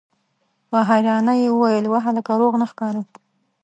په حيرانۍ يې وويل: وه هلکه! روغ نه ښکارې!